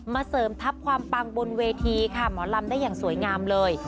เสริมทัพความปังบนเวทีค่ะหมอลำได้อย่างสวยงามเลย